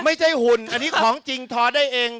หุ่นอันนี้ของจริงทอได้เอง